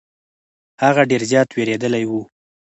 هغه ډير زيات ويرويدلې وه.